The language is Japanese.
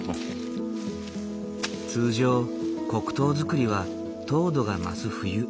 通常黒糖作りは糖度が増す冬